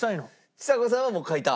ちさ子さんはもう書いた？